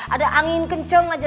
ada angin kenceng aja sekarang